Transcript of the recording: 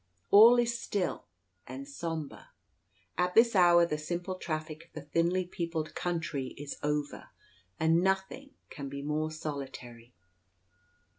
All is still and sombre. At this hour the simple traffic of the thinly peopled country is over, and nothing can be more solitary.